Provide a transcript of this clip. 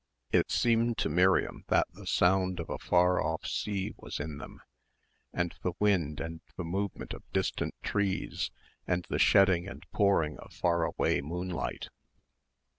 It seemed to Miriam that the sound of a far off sea was in them, and the wind and the movement of distant trees and the shedding and pouring of far away moonlight.